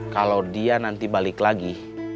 kalau dia nanti balik lagi